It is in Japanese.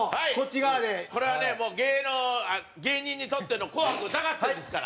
これはね、もう芸能、芸人とっての『紅白歌合戦』ですから。